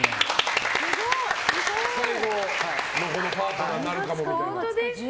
最後のパートナーになるかもみたいな。